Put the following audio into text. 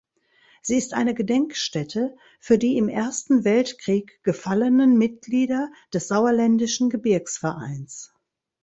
Sie ist eine Gedenkstätte für die im Ersten Weltkrieg gefallenen Mitglieder des Sauerländischen Gebirgsvereins.